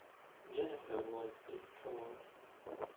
Jennifer was distraught.